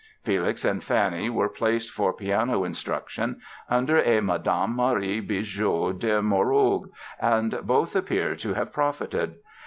Felix and Fanny were placed for piano instruction under a Madame Marie Bigot de Morogues and both appear to have profited.